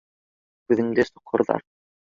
Күҙеңде соҡорҙар.